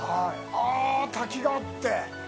ああ、滝があって。